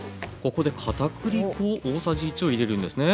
ここでかたくり粉大さじ１を入れるんですね。